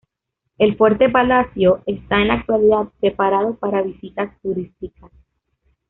El fuerte-palacio está en la actualidad preparado para visitas turísticas.